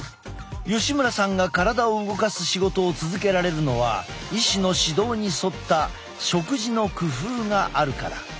吉村さんが体を動かす仕事を続けられるのは医師の指導に沿った食事の工夫があるから。